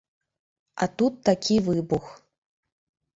А тут такі выбух.